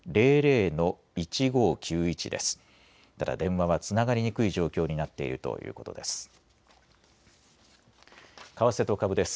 ただ電話はつながりにくい状況になっているということです。